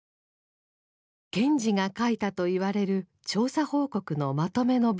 賢治が書いたといわれる調査報告のまとめの文章。